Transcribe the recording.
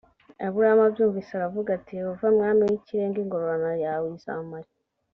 aburamu abyumvise aravuga ati yehova mwami w ikirenga ingororano yawe izamari